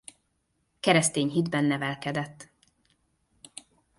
Keresztény hitben nevelkedett.